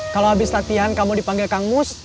kalau habis latihan kamu dipanggil kang mus